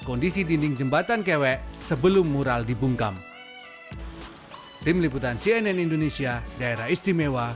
kondisi dinding jembatan kewek sebelum mural dibungkam tim liputan cnn indonesia daerah istimewa